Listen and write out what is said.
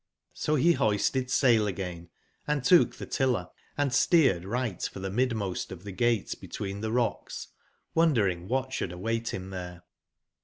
So he hoisted sail again, & took the tiller, and steered right for the midmost of the gate be tween the rocks, wondering what should await him there.